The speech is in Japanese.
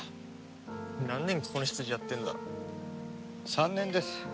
３年です。